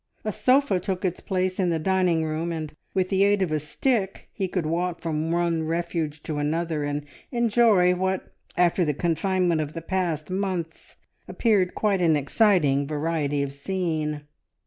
A sofa took its place in the dining room, and with the aid of a stick he could walk from one refuge to another, and enjoy what after the confinement of the past months appeared quite an exciting variety of scene.